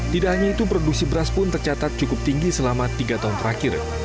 tidak hanya itu produksi beras pun tercatat cukup tinggi selama tiga tahun terakhir